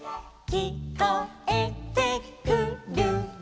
「きこえてくるよ」